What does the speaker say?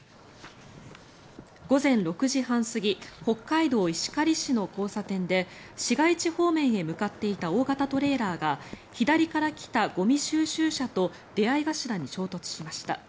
午前６時半過ぎ北海道石狩市の交差点で市街地方面へ向かっていた大型トレーラーが左から来たゴミ収集車と出合い頭に衝突しました。